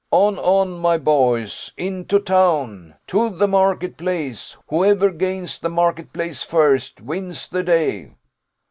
'On, on, my boys, into town, to the market place: whoever gains the market place first wins the day.